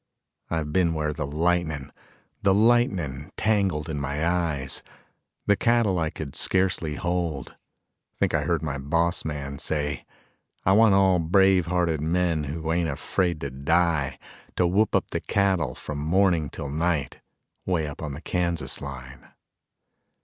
I've been where the lightnin', the lightnin' tangled in my eyes, The cattle I could scarcely hold; Think I heard my boss man say: "I want all brave hearted men who ain't afraid to die To whoop up the cattle from morning till night, Way up on the Kansas line."